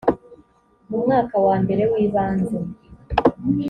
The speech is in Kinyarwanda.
mu mwaka wambere wibanze